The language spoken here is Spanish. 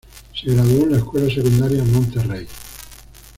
Se graduó en la escuela secundaria Monterrey.